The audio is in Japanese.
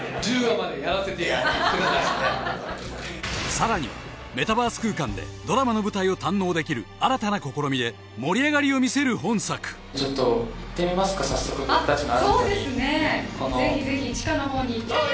更にはメタバース空間でドラマの舞台を堪能できる新たな試みで盛り上がりを見せる本作ちょっと行ってみますか早速僕達のアジトにあっそうですね